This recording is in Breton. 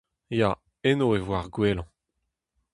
Ya, eno e vo ar gwellañ.